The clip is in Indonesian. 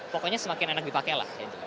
pokoknya semakin enak dipakai lah